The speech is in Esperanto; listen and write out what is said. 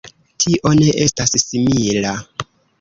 Tio ne estas simila.